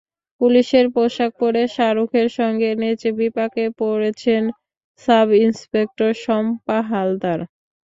পুলিশের পোশাক পরে শাহরুখের সঙ্গে নেচে বিপাকে পড়েছেন সাব-ইন্সপেক্টর শম্পা হালদার।